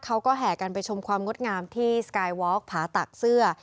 แห่กันไปชมความงดงามที่สกายวอล์กผาตักเสื้อ